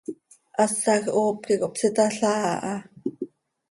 Hasaj hoop quih cohpsitalhaa aha.